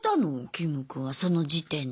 キム君はその時点で。